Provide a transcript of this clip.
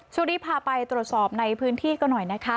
ช่วงนี้พาไปตรวจสอบในพื้นที่ก็หน่อยนะคะ